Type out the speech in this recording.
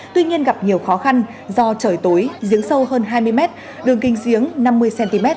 tuy nhiên gặp nhiều khó khăn do trời tối giếng sâu hơn hai mươi mét đường kính giếng năm mươi cm